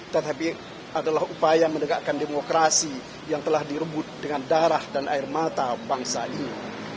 tetapi adalah upaya menegakkan demokrasi yang telah direbut dengan darah dan air mata bangsa ini